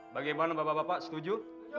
bagaimana bapak bapak setuju